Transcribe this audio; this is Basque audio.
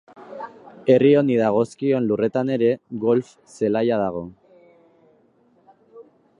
Herri honi dagozkion lurretan ere golf zelaia dago.